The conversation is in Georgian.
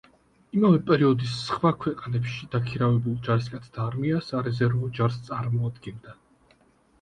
იმავე პერიოდის, სხვა ქვეყნებში დაქირავებულ ჯარისკაცთა არმია სარეზერვო ჯარს წარმოადგენდა.